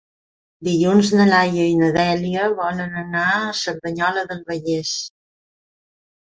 Dilluns na Laia i na Dèlia volen anar a Cerdanyola del Vallès.